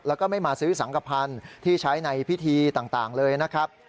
แล้วก็ไม่มาซื้อสังกภัณฑ์ที่ใช้ในพิธีต่างเลยนะครับ